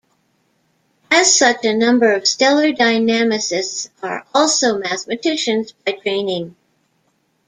As such a number of stellar dynamicists are also mathematicians by training.